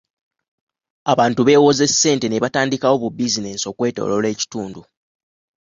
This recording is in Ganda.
Abantu beewoze ssente ne batandikawo buzinensi okwetooloola ekitundu.